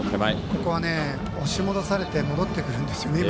ここは押し戻されて戻ってくるんですよね。